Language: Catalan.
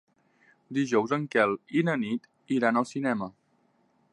Dijous en Quel i na Nit iran al cinema.